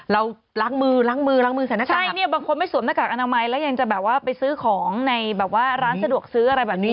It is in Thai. เราล้างมือล้างมือล้างมือสถานการณ์ใช่เนี่ยบางคนไม่สวมหน้ากากอนามัยแล้วยังจะแบบว่าไปซื้อของในแบบว่าร้านสะดวกซื้ออะไรแบบนี้